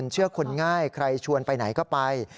เชื่อคนง่ายใครชวนไปไหนก็ไป